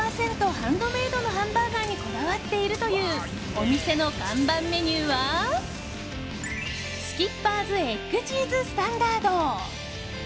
ハンドメイドのハンバーガーにこだわっているというお店の看板メニューはスキッパーズエッグチーズスタンダード。